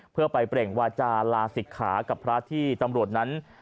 เพื่อไปเปล่งวาจาลาศิกขากับพระที่ตำรวจนั้น